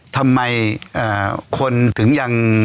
ทำไมคนถึงยัง